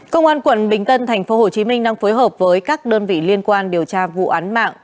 công an quận bình tân tp hcm đang phối hợp với các đơn vị liên quan điều tra vụ án mạng